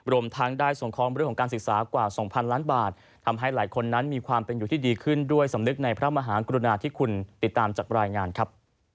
รวมทั้งได้ส่งของเรื่องของการศึกษากว่า๒๐๐ล้านบาททำให้หลายคนนั้นมีความเป็นอยู่ที่ดีขึ้นด้วยสำนึกในพระมหากรุณาที่คุณติดตามจากรายงานครับ